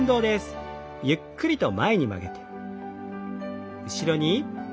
ゆっくりと前に曲げて。